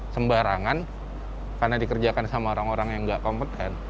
sembarangan karena dikerjakan sama orang orang yang nggak kompeten